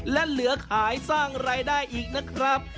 และเหลือขายสร้างรายได้อีกนะครับ